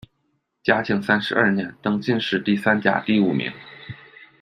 嘉靖三十二年，登进士第三甲第五名。